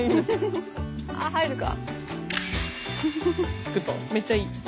あっ入るか？